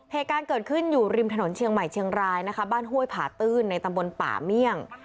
เหตุการณ์เกิดขึ้นอยู่ริมถนนเชียงใหม่เชียงรายนะคะบ้านห้วยผาตื้นในตำบลป่าเมี่ยง